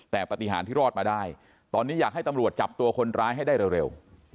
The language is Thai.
แต่ปฏิหารที่รอดมาได้ตอนนี้อยากให้ตำรวจจับตัวคนร้ายให้ได้เร็ว